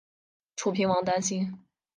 楚平王担心。